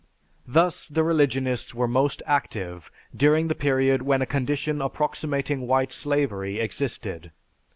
Thus the religionists were most active during the period when a condition approximating white slavery existed.